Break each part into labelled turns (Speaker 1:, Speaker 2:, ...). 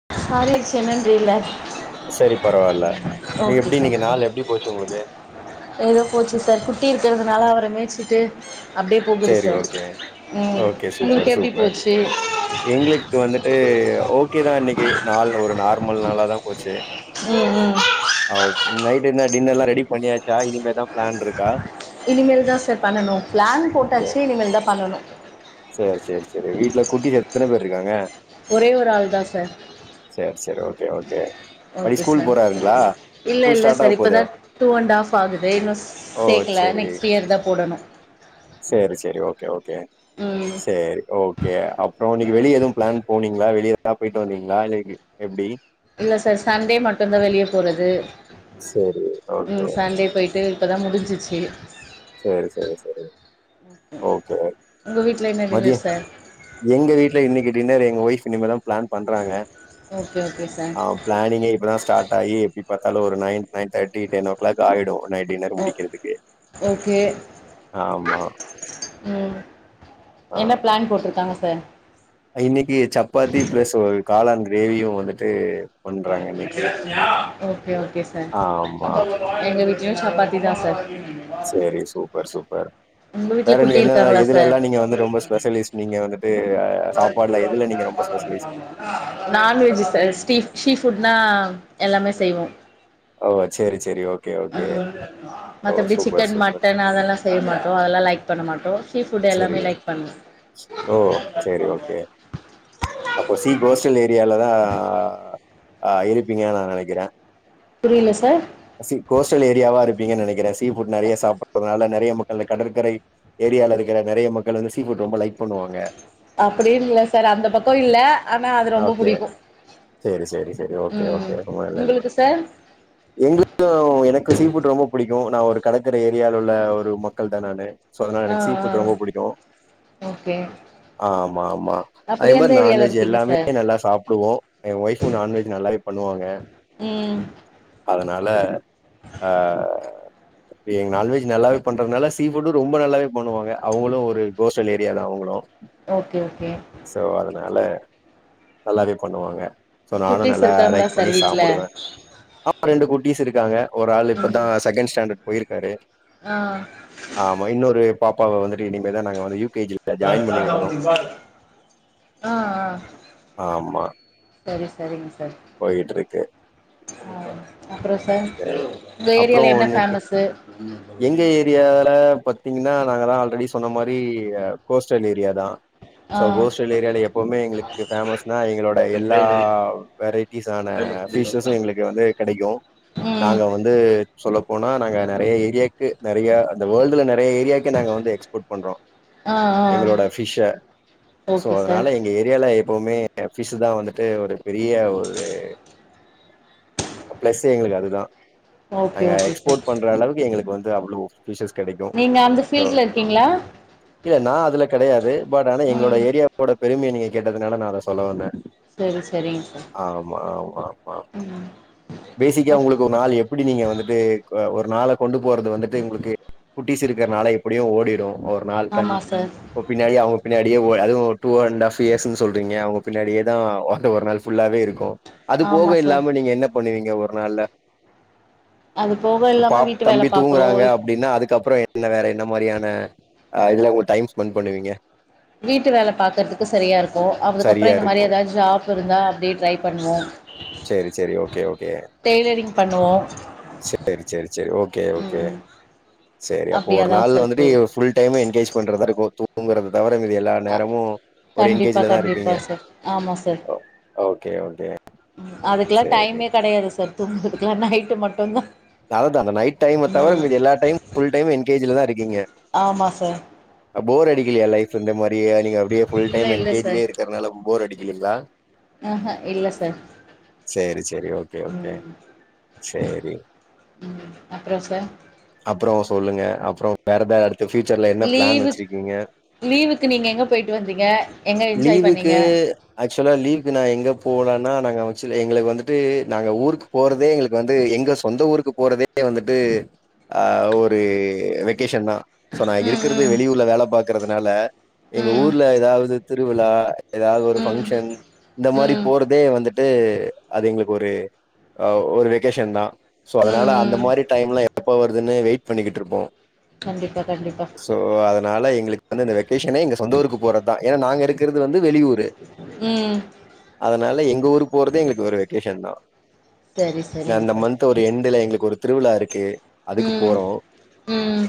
Speaker 1: [unintelligible] [unintelligible]
Speaker 2: சரி பரவால்ல. நீ
Speaker 1: ஓகே
Speaker 2: எப்டி
Speaker 1: சார்
Speaker 2: இன்னைக்கு நாள் எப்டி போச்சு உங்களுக்கு?
Speaker 1: ஏதோ போச்சு சார் கு குட்டி இருக்கிறதுனால அவர மேச்சுட்டு
Speaker 2: சரி ஓகே ஓகே சூப்பர்
Speaker 1: உங்களுக்கு எப்படி
Speaker 2: சூப்பர்
Speaker 1: போச்சு
Speaker 2: எங்களுக்கு வந்துட்டு ஓகே தான் ஓகே நாள் ஒரு நார்ம [unintelligible] நல்லா தான் போச்சு
Speaker 1: ம் ம்
Speaker 2: ஆ ஓகே நைட்டு் என் டின்னர்லா ரெடி பண்ணியாச்சா இனிமேதான் பிளான்ருக்கா
Speaker 1: இனிமேல் தான் சார் பண்ணனு பிளான் போட்டு டாச்சு இனிமேல் தா பண்ணணு
Speaker 2: சேரி சேரி சேரி வீட்ல குட்டி எத்தன பேர் இருக்காங்க.
Speaker 1: ஒரே ஒரு ஆள் தா சார்.
Speaker 2: சரி, சரி. Okay, okay. படி
Speaker 1: ஓகே
Speaker 2: ஸ்கூல்
Speaker 1: சார்.
Speaker 2: போறாருங்களா?
Speaker 1: இல்ல
Speaker 2: ஸ்கூல்
Speaker 1: இல்ல
Speaker 2: ஸ்டார்ட் ஆக
Speaker 1: சார்
Speaker 2: போகுது.
Speaker 1: இப்பதா டூஅண்ட்ஆஃப் ஆகுது. இன்னு
Speaker 2: ஓ!
Speaker 1: சேக்கல,
Speaker 2: சரி.
Speaker 1: நெக்ஸ்ட் இயர்தா போடணும். ம்
Speaker 2: சேரி ஓகே அப்புறம் இன்னைக்கு வெளிய எதுவு பிளான். போனீங்ளா வெளிய ஏதாவது போயிட்டு வந்தீங்களா [unintelligible] எப்டி.
Speaker 1: இல்ல சார் சண்டே மட்டுந்தா வெளிய போறது.
Speaker 2: சரி ஓகே.
Speaker 1: உம் சண்டே போயிட்டு. இப்போ தா முடிஞ்சிச்சு.
Speaker 2: சேரி சேரி சேரி, ஓகே
Speaker 1: உங்க வீட்ல என்ன டின்னர்
Speaker 2: மதியம்
Speaker 1: சார்
Speaker 2: எங்க வீட்ல இன்னைக்கு டின்னர் எங்க ஒய்ஃப். என்னங்க மேடம். ப்ளான் பண்றாங்க,
Speaker 1: ஓகே ஓகே சார்
Speaker 2: அ ப்ளானிங்கே இப்பதா ஸ்டார்ட் ஆகிப் ப்ரிப்பர். தாலு ஒரு nine nine thirty ten o'clock ஆயிடு நைட் டின்னர்
Speaker 1: ஓகே
Speaker 2: முடிக்கிறதுக்கு.
Speaker 1: ஓகே,
Speaker 2: ஆமா
Speaker 1: ம்.
Speaker 2: ஆ
Speaker 1: என்ன ப்ளான் போட்ரு ட்டாங்க சார்.
Speaker 2: வேவியும் வந்துட்டு. பண்றாங்க இன்னைக்கு
Speaker 1: [unintelligible] ஓகே ஓகே சார்.
Speaker 2: ஆமா
Speaker 1: [unintelligible] எங்க வீட் லயு சப்பாத்தி தா சார்.
Speaker 2: சேரி சூப்பர் சூப்பர்,
Speaker 1: உங்க வீட்ல
Speaker 2: வேற நீ
Speaker 1: குட்டி
Speaker 2: என்ன
Speaker 1: இருக்காங்களா சார்
Speaker 2: இதுலல்லா நீங்க வந்து ரொம்ப ஸ்பெஷலிஸ் நீங்க வந்துட்டு. சாப்பாடுல எதுல நீங்க ரொம்ப ஸ்பெஷலிஸ்ட்
Speaker 1: [unintelligible] நான்வெஜ் சார். ஸ்டீ சீ ஃபுட்னா எல்லாமே செய்வோம்.
Speaker 2: ஓ சேரி சேரி ஓகே ஓகே ஓ
Speaker 1: மத்தபடி
Speaker 2: சூப்பர்
Speaker 1: சிக்கன்
Speaker 2: சூப்பர்
Speaker 1: மட்டன் அதெல்லா செய்ய மாட்டோ அதெல்லா லைக். பண்ணமாட்டோ.
Speaker 2: செரி. ஓ சேர். கே ஓகே. அப்போ சி கோஸ்டல் ஏரியாலதா ஆ இருப்பீங்கன் நா நெனைக்கிறே
Speaker 1: புரியல சார்
Speaker 2: சி கோஸ்டல் ஏரியாவா இருப்பீங்க நெனைக்கறே சீ ஃபுட் நெறைய சாப்புடுறதனால ந றைய மக்கள் கடற்கரை ஏரியால இருக்குற நெறைய மக்கள் வந்து சீஃபுட் ரொம்ப லைக் பண்ணுவாங்க
Speaker 1: அப்டி இல்ல சார் அந்த பக்
Speaker 2: ஓக்கே செரி செரி செரி ஓக்கே
Speaker 1: ம்
Speaker 2: ஓக்கே ரொம்ப நல்லது
Speaker 1: உங்களுக்கு சார்
Speaker 2: எங்களுக்கு எனக்கு சீஃபுட் ரொம்ப புடி மோ நா ஒரு கடைக்கறி ஏரியால உள்ள ஒரு மக்கள் தா நானு சோ அதனால
Speaker 1: ஆ
Speaker 2: எனக் சீஃபெட்
Speaker 1: ஆ
Speaker 2: ரொம்ப புடிக்கோ
Speaker 1: ஓகே
Speaker 2: ஆ ஆமா ஆமா ஆ
Speaker 1: அப்படி
Speaker 2: இன்
Speaker 1: எந்த ஏரியால
Speaker 2: நான்வெஜ்
Speaker 1: இருக்கீங்க
Speaker 2: எல்லாமே
Speaker 1: சார்
Speaker 2: நல்லா சாப்புடுவோ என் ஒயுஃபூ நான்வெஜ் நல்லாவே பண்ணுவாங்க.
Speaker 1: ம்
Speaker 2: அ னால ஆ எங்க அன்னைக்கு நல்லாவே பண்றதனால சீஃபுட்டோ ரொம்ப நல்லாவே பண்ணுவாங்க அவ்வளவு ஒரு கோஸ்டல் ஏரியா தா அவுங்களு
Speaker 1: ஓக்கே ஓக்கே
Speaker 2: தனால நல்லாவே பண்ணுவாங்க சோ நானு
Speaker 1: குட்டீஸ்
Speaker 2: நல்லா
Speaker 1: இருக்காங்களா
Speaker 2: லைக்
Speaker 1: சார்
Speaker 2: பண்ணி
Speaker 1: வீட்ல
Speaker 2: சாப்புடுவே அ ரெண்டு கோ ட்டீஸ் இருக்காங்க ஒரு ஆளு
Speaker 1: ம்
Speaker 2: இப்பதா செகண்ட் ஸ்டாண்டர்ட் போயிருக்காரு
Speaker 1: ஆ
Speaker 2: ஆமா இன்னுரு பாப்பாவ வந்துட்டு இனிமே தா நாங்க வந்து யூ கே ஜி ல ஜாயின் பண்ணி
Speaker 1: ஆ
Speaker 2: விடணு
Speaker 1: ஆ
Speaker 2: ஆமா
Speaker 1: சரி சரிங் சா ர்
Speaker 2: போயிட்ருக்கு
Speaker 1: அப்ற சார்
Speaker 2: சரி
Speaker 1: உங்க
Speaker 2: அப்றோ
Speaker 1: ஏரியால என்ன
Speaker 2: இன்னைக்கு
Speaker 1: ஃபேமஸு
Speaker 2: பத்திங்கனா நாங்கலா ஆல்ரெடி சொன்ன மாரி கோஸ்டல் ஏரியா தா
Speaker 1: ஆ
Speaker 2: சோ கோஸ்டல் ஏரியால எப்போமே எங்ளுக்கு ஃபேமஸ்னா எங்களோட எல்லா வெரைட்டிஸான ஃபிஷ்ஷஸு எங்ளுக்கு வந்து கெடைக்கு
Speaker 1: ம்
Speaker 2: நாங்க வந்து சொல்ல போனா நாங்க நறைய ஏரியாக்கு நறையா அந்த வேர்ல்டுல ந றைய ஏரியாக்கு நாங்க வந்து எக்ஸ்போர்ட் பண்றோ
Speaker 1: ஆ ஆ
Speaker 2: எங்களோட ஃபிஷ்ஷ சோ
Speaker 1: ஓகே சார்
Speaker 2: அதனால எங்க ஏரியால எப் எப்பவுமே ஃபிஷ்ஷு தா வந்துட்டு ஒரு பெரிய ஒரு ப்ளஸே எங்ளுக்கு அதுதா
Speaker 1: ஓகே
Speaker 2: நாங்க
Speaker 1: ஓகே சார்
Speaker 2: எக்ஸ்போர்ட் பண்ற அளவுக்கு எங்ளுக்கு வந் து அவ்ளோ ஃபிஷஸ் கெடைக்கு
Speaker 1: நீங்க அந்த
Speaker 2: சோ
Speaker 1: ஃபீல்ட்ல இருக்கீங்களா
Speaker 2: இல்ல நா அதுல கெடையாது பட் ஆனா எங்களோட
Speaker 1: ம்
Speaker 2: ஏரியாவோட பெருமைய நீங்க கேட்டதுனால நா அத சொல்ல வந்த
Speaker 1: சரி சரிங்க சார்
Speaker 2: ஆமா ஆமா ஆமா
Speaker 1: ம்
Speaker 2: பேசிக்கா உங்ளுக்கு ஒரு நாள் எப்டி நீங்க வந்துட்டு ஒரு நாள கொண்டு போறது வந்துட்டு உங்ளுக்கு குட்டிஸ் இருக்கிறனால எப்படியு ஓடிடு ஒரு நாள் கண்
Speaker 1: ஆமா சார்
Speaker 2: இப்ப பின்னாடிய அவுங்க பின்னாடியே அதுவு டூ அண்ட் ஹாப் இயர்ஸ்ன்னு சொல்றீங்க அவுங்க பின்னாடியே தா வந்து ஒரு நாள் ஃபுல்லாவே இருக்கு அது போக
Speaker 1: ஆமா சார்
Speaker 2: இல்லாம நீங்க என்ன பண்ணுவீங்க வொர் என்னால
Speaker 1: அது போக
Speaker 2: இப்ப பா
Speaker 1: இல்லாம வீட்டு வேல
Speaker 2: தம்பி
Speaker 1: பாக்குறோ
Speaker 2: தூங்குறாங்க அப்படின்னா அதுக்கப்புறம் என்ன வேற என்ன மாரியான ஆ இல்ல உங்க டைம் ஸ்பென்ட் பண்ணுவீங்க
Speaker 1: வீட்டு வேல பாக்குறதுக்கு சரியா இருக்கு அதுக்கப்புறம் இந்த மாரி எதாச்சும் ஜாப் இருந்தா அப்டியே ட்ரை பண்ணுவோ
Speaker 2: சேரி சேரி ஓகே ஓகே
Speaker 1: டெய்லரிங் பண்ணுவோ
Speaker 2: சேரி சேரி சேரி ஓகே ஓகே
Speaker 1: ம்
Speaker 2: சேரி அப்போ ஒரு
Speaker 1: அப்டியாதா
Speaker 2: நாள்
Speaker 1: சார்
Speaker 2: வந்துட்டு
Speaker 1: போது
Speaker 2: ஃபுல் டைம் எங்கேஜ் பண்றதா இருக்கு தூ தூங்குறது தவற மீதி எல்லா நேரமு ஒரு
Speaker 1: கண்டிப்பா
Speaker 2: என்கேஜலதா
Speaker 1: கண்டிப்பா
Speaker 2: இருப்பீங்க
Speaker 1: சார் ஆமா சார்
Speaker 2: ஓகே ஓகே
Speaker 1: ம் அதுக்கெல்லா
Speaker 2: சேரி
Speaker 1: டைமே கெடையாது சார் தூங்குறதுக்கெல்லா நைட்டு மட்டுந்தா
Speaker 2: அதா அந்த நைட் டைம் தவிர
Speaker 1: ம்
Speaker 2: மீதி எல்லா டைம் ஃபுல் டைம் என்கேஜ்லதா இருக்கீங்க
Speaker 1: ஆமா சார்
Speaker 2: போர் அடிக்கலயா லைஃப் இந்த மாரி நீங்க நநீங்க அப்படியே ஃபுல்
Speaker 1: இல்ல
Speaker 2: டைம்
Speaker 1: இல்ல சார்
Speaker 2: என்கேஜ்லயே இருக்கிறனால போர் அடிக்கிலிங்களா
Speaker 1: ஆஹ இல்ல சார்
Speaker 2: சேரி சேரி ஓகே ஓகே
Speaker 1: ம்
Speaker 2: சேரி
Speaker 1: ம் அப்புறோ சார்
Speaker 2: அப்புற சொல்லுங்க அப்புறம் வேற எ பூச்சர்ல என்ன பிளான்
Speaker 1: லீவு
Speaker 2: வச்சிருக்கீங்க
Speaker 1: லீவுக்கு நீங்க எங்க போயிட்டு வந்தீங்க எங்க என்ஜாய்
Speaker 2: லீவுக்கு
Speaker 1: பண்ணீங்க
Speaker 2: ஆக்சுவலா லீவ் போலனா நாங்க ஆக்சுலி எங்களுக்கு வந்துட்டு நாங்க ஊருக்கு போறதே எங்களுக்கு வந்து எங்க சொந்த ஊருக்கு போறதே வந்துட்டு ஆ ஒரு வெகேஷன் தா சோ நான்
Speaker 1: ம்
Speaker 2: இருக்குறது
Speaker 1: ம்
Speaker 2: வெளியூர்ல வேல பாக் இருக்கிறதுனால எங்க
Speaker 1: ம்
Speaker 2: ஊர்ல எதாவது திருவிழா எதாவது ஒரு
Speaker 1: ம்
Speaker 2: ஃபங்க்ஷன் இந்த மாரி
Speaker 1: ம்
Speaker 2: போறதே வந்ட்டு அது அது எங்களுக்கு ஒரு ஒரு வெகேஷன் தா சோ அதனால
Speaker 1: ம்
Speaker 2: அந்த
Speaker 1: ம்
Speaker 2: மாரி டைம்ல எப்பவ இதுன்னு வெயிட் பண்ணிக்கிட்டு இருப்போ
Speaker 1: கண்டிப்பா கண்டிப்பா
Speaker 2: சோ அதனால எங்களுக்கு [unintelligible] பேஷனே எங்க சொந்த ஊருக்கு போர்தா. ஏன்னா நாங்க இருக் கிருது வந்து வெளியூரு
Speaker 1: ம்
Speaker 2: அதனால எங்க ஊருக்கு போறதே எங்களுக்கு ஒரு வெக்கேஷன் தா.
Speaker 1: சரி
Speaker 2: [unintelligible]
Speaker 1: சரிங்க
Speaker 2: அந்த
Speaker 1: சார்
Speaker 2: மன்த்து ஒரு எண்டுல எங்களுக்கு ஒரு திருவிழா இருக் கே அதுக்கு
Speaker 1: ம்
Speaker 2: போறோ.
Speaker 1: ம்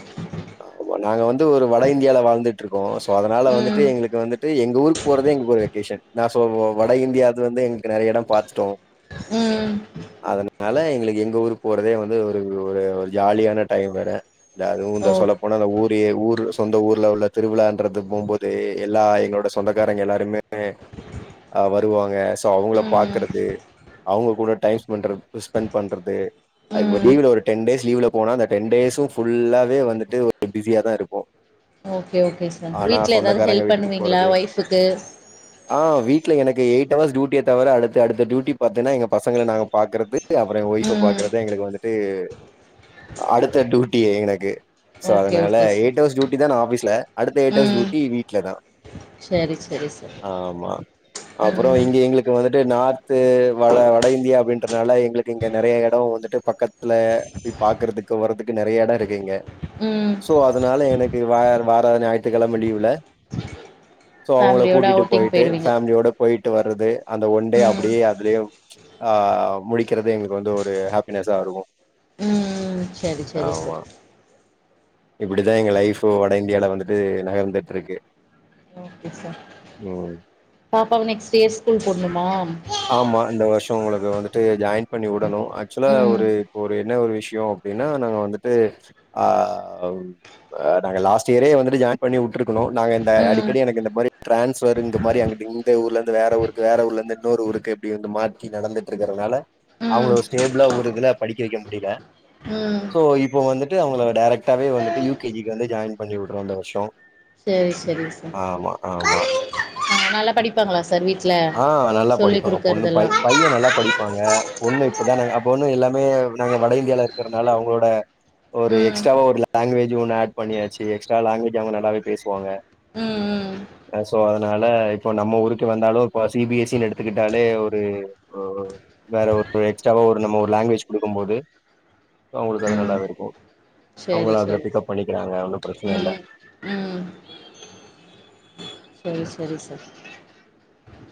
Speaker 2: ஆமா நாங்க வந் து ஒரு வட இந்தியால வாழ்ந்துட்ருக்கோ இப்போ அதனால வந்துட்டு
Speaker 1: ம்
Speaker 2: எங்களுக்கு வந்துட்டு எங் க ஊருக்கு போறதே எங்களுக்கு ஒரு வெக்கேஷன் [unintelligible] ப்போ வ வட இந்தியாது வந்து எங்களுக்கு நெறைய எடோ பாத்துட்டோ.
Speaker 1: ம்
Speaker 2: அதனால எங்களுக்கு எங்க ஊருக்கு போறதே வந்து ஒரு ஒரு ஒரு ஜாலியான டயம் வேற. [unintelligible] அதுவு இந்த
Speaker 1: ஓ
Speaker 2: சொல்ல போனா அந்த ஊரயே ஊரு சொந்த ஊர்ல உள்ள திருவிழான்றது போம்போது எல்லா எங்களோட சொந்தக்காரங்க எல்லாருமே அஹ் வருவாங்க. சோ அவுங்கள
Speaker 1: ம்
Speaker 2: பாக்கறது, அவங்க கூட டைம் ஸ்பண்ட்றது ஸ்பெண்ட் பண்றது அதுக்கு இப்ப
Speaker 1: ம்
Speaker 2: லீவ்ல ஒரு டென் டேஸ் லீவ்ல போனா அந்த டென் டேஸு ஃபுல்லாவே வந்துட்டு ஒரு பிஸியா தா இருப்போ
Speaker 1: ஓகே, ஓகே சார். வீட்ல எதாவது ஹெல்ப்
Speaker 2: வீட்டுக்கு
Speaker 1: பண்ணுவீங்களா
Speaker 2: போறது.
Speaker 1: ஒய்ஃப்புக்கு?
Speaker 2: ஆ வீட்ல எனக்கு எயிட் அவர்ஸ் ட்யூட்டிய தவர, அடுத்து அடுத்த ட்யூட்டி பாத்தேன்னா எங்க பசங்கள நாங்க பாக்கறது, அப்றம் ஏ ஒய்ஃப்ப
Speaker 1: ம்
Speaker 2: பாக்கறது தா எங்களுக்கு வந்துட்டு அடுத்த டியூட்டியே எனக்கு. ஸோ
Speaker 1: ஓகே
Speaker 2: அதனால
Speaker 1: okay sir
Speaker 2: eight hours duty தா நா ஆஃபீஸ்ல. அடுத்த எய்ட் அவர்ஸ்
Speaker 1: ம்
Speaker 2: ட்யூட்டி வீட்ல தா.
Speaker 1: சரி சரி சார்
Speaker 2: ஆமா அப்றோ
Speaker 1: ம்
Speaker 2: இங்க எங்களுக்கு வந்துட் ட்டு நார்த்து வட வட இந்தியா அப்டின்றனால எங்களுக்கு இங்க நெறைய எடோ வந்துட்டு பக்கத்துல போய் பாக்கறதுக்கு வரதுக்கு நெறைய எடோ இருக்கு இங்க.
Speaker 1: ம்
Speaker 2: சோ அதுனால எனக்கு வா வார ஞாயித்துக்கெழம லீவுல சோ அவங்கள
Speaker 1: ஃபேமிலியோட
Speaker 2: கூட்டிட்டு
Speaker 1: அவுட்டிங்
Speaker 2: போய்ட்டு
Speaker 1: போயிடுவீங்க
Speaker 2: ஃபேம்லியோட போ போயிட்டு வரது அந்த ஒன்டே
Speaker 1: ம்
Speaker 2: அப்டியே அதுலேவு ஆஹ் முடிக்கறது எங்களுக்கு வந்து ஒரு ஹேப்பினஸ்ஸா இருக்கு.
Speaker 1: சரி, சரி சார்
Speaker 2: இப்படித்தா எங்க லைஃப்பு வட இந்தியாவுல வந்துட்டு நகந்துட்ருக்கு.
Speaker 1: கே சார்
Speaker 2: உம்
Speaker 1: பாப்பாவ நெக்ஸ்ட் இயர் ஸ்கூல் போட்ணுமா?
Speaker 2: அவங்களுக்கு வந்துட்டு ஜாயின் பண்ணிவுடணு. ஆக்ச்சுலா
Speaker 1: ம்
Speaker 2: ஒரு இப்ப ஒரு என்ன ஒரு விஷ்யோ அப்டின்னா நாங்க வந்துட்டு ஆ, ஆவ் ஆ நாங்க லாஸ்ட் இயரே வந்துட்டு ஜாயின் பண்ணி வுட்ருக்கணு, நாங்க இந்த
Speaker 1: ம்
Speaker 2: அடிக்கடி எனக்கு இந்த மாரி ட்ரான்ஸ் ஃபெர்ங்க மாரி அங்கிட்டு, இங்கிட்டு, ஊர்லருந்து வேற ஊருக்கு, வேற ஊர்லருந்து இன்னோரு ஊருக்கு அப்டி வந்து மாத்தி நடந்துட்டு இருக்கறனால
Speaker 1: ம்
Speaker 2: அவங்கள ஸ்டேபிளா ஒரு இதுல படிக்க வெக்க முடில.
Speaker 1: ம்
Speaker 2: சோ இப்போ வந்துட்டு அவங்கள டைரக்டாவே வந்துட்டு யு கே ஜி க்கு வந்து ஜாயின் பண்ணிவுட்றோ இந்த வர்ஷோ
Speaker 1: செரி, செரிங் சார் நல்லா படிப்பாங்களா சார் வீட்ல
Speaker 2: ஆஹ் நல்லா
Speaker 1: சொல்லி
Speaker 2: படிப்பாங்க பொண்ணு, பை
Speaker 1: குடுக்கறதெல்லா
Speaker 2: பைய நல்லா படிப்பாங்க. பொண் [unintelligible] இப்பதானுங் அப்ப வந்து எல்லாமே நாங்க வட இந்தியால இருக்கறனால அவுங்களோட ஒரு
Speaker 1: ம்
Speaker 2: எக்ஸ்ட்ராவா ஒரு லாங்குவேஜ் ஒன்னு ஆட் பண்ணியாச்சி. எக்ஸ்ட்ரா லாங்வேஜு அவங்க நல்லாவே பேசுவாங்க.
Speaker 1: ம் ம்
Speaker 2: [unintelligible] சோ, அதனால இப்போ நம்ம ஊருக்கு வந்தாலு இப்ப சி பி எஸ் சி னு எடுத்துக்கிட்டாலே ஒரு ஒ ஒ வேற ஒரு எக்ஸ்ட்ராவா ஒரு நம்ம ஒரு லேங்வேஜ் குடுக்கம்போது அவங்களுக்கு அது
Speaker 1: ம்
Speaker 2: நல்லாவே இருக்கு.
Speaker 1: சரி
Speaker 2: அவுங்கள அதுல
Speaker 1: சரி
Speaker 2: பிக்கப் பண்ணிக்கிறாங்க ஒன்னு பிரச்சன இல்ல
Speaker 1: ம் ம் சேரி சேரி சார்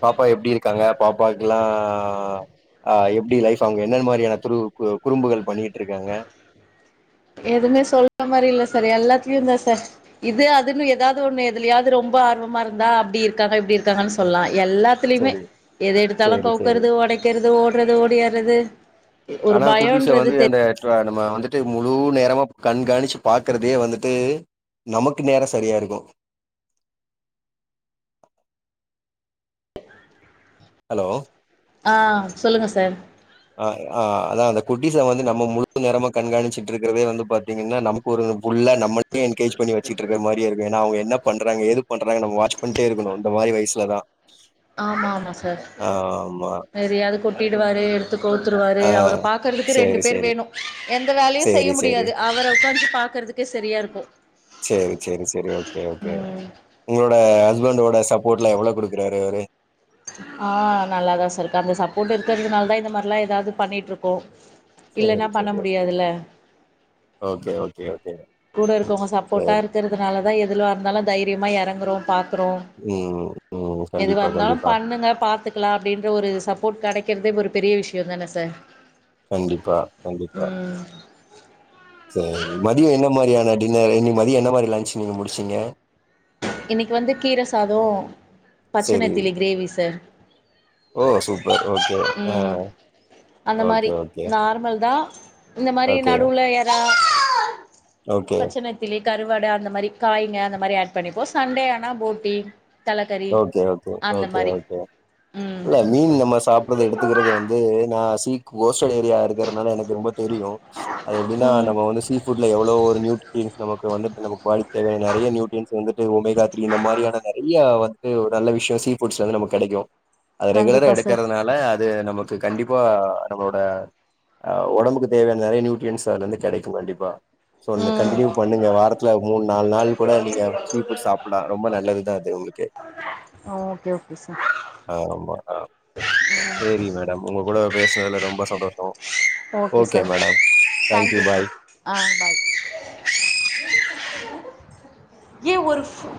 Speaker 2: பாப்பா எப்டி இருக்காங்க பாப்பாக்குலா ஆஹ் எப்டி லைஃப் அவங்க என்னென் மாரியான துரு கு குறும்புகள் பண்ணிட்ருக்காங்க
Speaker 1: எதுமே சொல்ல மாரி இல்ல சார் எல்லாத்துலயு தா சார் இது அதுன்னு எதாவது ஒன்னு எதுலயாது ரொம்ப ஆர்வமா இருந்தா அப்டி இருக்காங்க இப்டி இருக்காங்கன் சொல்லா எல்லாத்லய்மே
Speaker 2: சரி
Speaker 1: எத எடுத்தாலு
Speaker 2: சேரி சேரி
Speaker 1: கவுக்கறது ஒடைக்கிறது ஓடறது ஒடியாறது ஒரு பயன்றது தெர்
Speaker 2: த்தர நம்ம வந்துட்டு முழு நேரமா கண்காணிச்சு பாக்குறதே வந்துட்டு நமக்கு நேர சரியா இருக்கு ஹலோ
Speaker 1: ஆ சொல்லுங்க சார்
Speaker 2: ஆ ஆ அதா அந்த குட்டிஸ வந்து நம்ம முழு நேரமா கண்காணிச்சிட்டு இருக்றதே வந்து பாத்திங்கன்னா நமக்கு ஒரு புள்ள நம்ம யே என்கேஜ் பண்ணி வச்சிட்ருக்க மாரியே இருக்கு ஏனா அவுங்க என்ன பண்றாங்க ஏது பண்றாங்க நம்ம வாட்ச் பண்ணிட்டே இருக்கணு இந்த மாரி வயுசுலதா
Speaker 1: ஆமாமா சார்
Speaker 2: ஆமா.
Speaker 1: எதயாது கொட்டிடுவாரு கவுத்துருவாரு
Speaker 2: ஆ.
Speaker 1: அவர பாக்கறதுக்கு ரெண்டு
Speaker 2: சரி,
Speaker 1: பேர்
Speaker 2: சரி.
Speaker 1: வேணு எந்த வேலையு செய்ய
Speaker 2: சரி, சரி.
Speaker 1: முடியாது அவர உக்காஞ்சி பாக்குறதுக்கே சரியா இருக்கு
Speaker 2: சரி,
Speaker 1: ம்
Speaker 2: ட ஹஸ்பண்டோட சப்போர்ட்லா எவ்ளோ குடுக்கறாரு அவரு
Speaker 1: ஆ நல்லாதா சார்ருக்கு அந்த சப்போர்ட் இருக்கறதுனாலதா இந்த மார்லா எதாது பண்ணிட்ருக்கோ இல்லன்னா
Speaker 2: சேரி
Speaker 1: பண்ண
Speaker 2: சேரி
Speaker 1: முடியாதுல்ல
Speaker 2: ஓகே ஓகே ஓகே ஓகே
Speaker 1: கூட இருக்கவங்க சப்போர்ட்டா
Speaker 2: சரி.
Speaker 1: இருக்கறதுனால அதா எதுலா இருந்தாலு தைரியமா எறங்கறோ பாக் றோ
Speaker 2: ம், ம்.
Speaker 1: எதுவா
Speaker 2: கண்டிப்பா,
Speaker 1: இருந்தாலு
Speaker 2: கண்டிப்பா.
Speaker 1: பண்ணுங்க பாத்துக்லா அப்டின்ற ஒரு சப் போட் கெடைக்கறதே ஒரு பெரிய விஷயந்தான சார்
Speaker 2: கண்டிப்பா கண்டிப்பா
Speaker 1: ம்
Speaker 2: சேரி மதிய என்ன மாரியா ன டின்னரு இன்னைக் மதிய என்ன மாரி லன்ச் நீங்க முடிச்சிங்க
Speaker 1: இன்னைக்கு வந்து கீர சாதோ
Speaker 2: சரி.
Speaker 1: பச்சநெத்திலி க்ரேவி சார்
Speaker 2: ஓ சூப்பர் ஓகே ஆ
Speaker 1: ம் அந்த
Speaker 2: ஓகே
Speaker 1: மாரி
Speaker 2: ஓகே
Speaker 1: நார்மல்தா இந்த மாரி
Speaker 2: ஓகே
Speaker 1: நடுவுல எறா
Speaker 2: ஓகே
Speaker 1: பச்சநெத்திலி கருவாடு அந்த மாரி காய்ங்க அந்த மாரி ஆட் பண்ணிப்போ சண்டே ஆனா போட்டி தலக்கறி
Speaker 2: ஓகே ஓகே
Speaker 1: அந்த
Speaker 2: ஓகே
Speaker 1: மாரி
Speaker 2: ஓகே
Speaker 1: ம்
Speaker 2: இல்ல மீன் நம்ம சாப்படறது எடுத்துக்கறது வந்து நா சீ கோஸ்டல் ஏரியா இருக்கறனால எனக்கு ரொம்ப தெரியு அது எப்டினா
Speaker 1: ம்
Speaker 2: நம்ம வந்து சீ ஃபுட்ல எவ்ளோ ஒரு நியூட்ரியன்ஸ் நமக்கு வந்துட்டு நம்ம பாடிக்கு தேவையான நெறைய நியூட்ரியன்ட்ஸ் வந்துட்டு ஒமேகா த்ரீ இந்த மாரியான நெறையா வந் து ஒரு நல்ல விஷய சீ ஃபுட்ஸ்லந்து நமக்கு கெடைக்கு அது ரெகுலரா
Speaker 1: கண்டிப்பா சார்
Speaker 2: எடுக்கறதுனால அது நமக்கு கண்டிப்பா நம்ளோட அ ஒடம்புக்கு தேவையான நெறைய நியூட்ரியன்ஸ் அதுலந்து கெடைக்கு கண்டிப்பா சோ கண்டினியூ பண்ணுங்க வாரத்ல மூணு நால் நாள் கூட நீங்க சீஃபுட் சாப்பல்லா ரொம்ப நல்லதுதா அது உங்ளுக்கே
Speaker 1: ஓகே ஓகே சார்
Speaker 2: ஆமா ஆ சேரி மேடம் உங்க கூட பேஸ் னதுல ரெம்ப சந்தோஷோ
Speaker 1: okay sir
Speaker 2: madam
Speaker 1: thank
Speaker 2: thank you
Speaker 1: you
Speaker 2: bye
Speaker 1: sir ஆ பாய் ஏ ஒரு ஃபோ